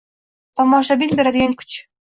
Tomoshabin beradigan kuch